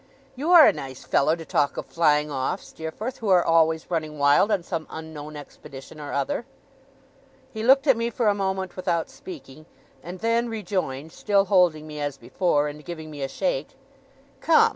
'You are a nice fellow to talk of flying off, Steerforth, who are always running wild on some unknown expedition or other!' He looked at me for a moment without speaking, and then rejoined, still holding me as before, and giving me a shake: 'Come!